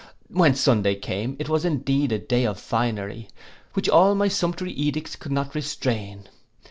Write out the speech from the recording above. When Sunday came, it was indeed a day of finery, which all my sumptuary edicts could not restrain.